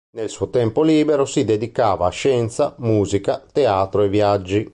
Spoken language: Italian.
Nel suo tempo libero si dedicava a scienza, musica, teatro e viaggi.